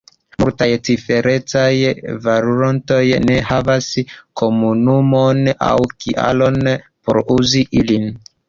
Multaj ciferecaj valutoj ne havas komunumon aŭ kialon por uzi ilin.